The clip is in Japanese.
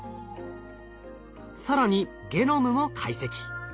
更にゲノムも解析。